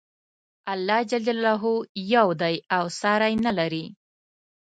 الله ج یو دی او ساری نه لري.